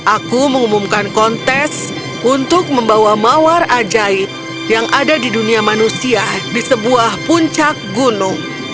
aku mengumumkan kontes untuk membawa mawar ajaib yang ada di dunia manusia di sebuah puncak gunung